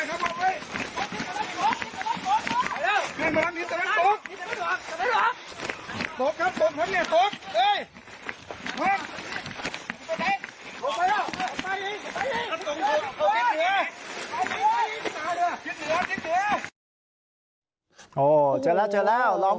จัดกรุงจัดกรุงจัดกรุง